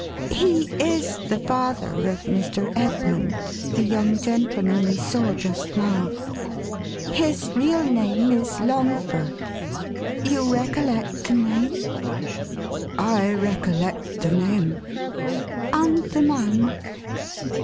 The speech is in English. " He is the father of Mr. Edmund, the young gentleman we saw just now. His real name is Longford. — You recollect the name ?"" I recollect the name." " And the man